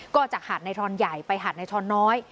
ก็จากหาดในทอนใหญ่ไปหาดในทอนน้อย